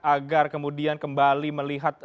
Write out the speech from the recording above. agar kemudian kembali melihat